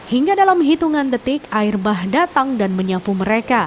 hingga dalam hitungan detik air bah datang dan menyapu mereka